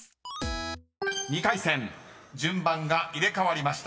［２回戦順番が入れ替わりました］